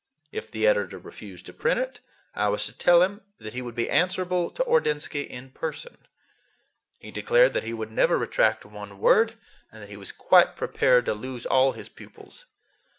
If the editor refused to print it, I was to tell him that he would be answerable to Ordinsky "in person." He declared that he would never retract one word, and that he was quite prepared to lose all his pupils.